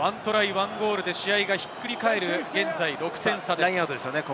１ゴールで試合がひっくり返る現在６点差です。